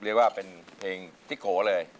เรียกว่าเป็นเพลงที่โขเลย